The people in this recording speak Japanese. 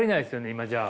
今じゃあ。